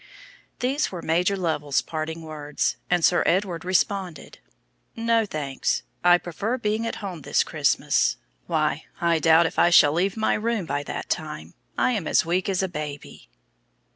These were Major Lovell's parting words, and Sir Edward responded, "No, thanks; I prefer being at home this Christmas. Why, I doubt if I shall leave my room by that time; I am as weak as a baby."